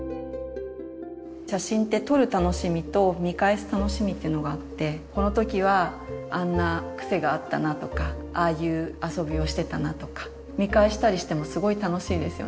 写真って撮る楽しみと見返す楽しみっていうのがあってこの時はあんな癖があったなとかああいう遊びをしてたなとか見返したりしてもすごい楽しいですよね。